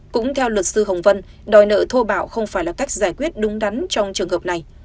cũng theo luật sư hồng vân đòi nợ thô bạo không phải là cách giải quyết đúng đắn trong trường hợp này